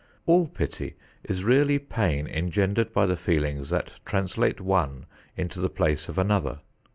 All pity is really pain engendered by the feelings that translate one into the place of another.